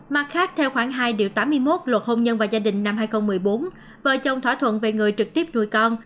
mặt khác theo khoảng hai tám mươi một luật hôn nhân và gia đình năm hai nghìn một mươi bốn vợ chồng thỏa thuận về người trực tiếp nuôi con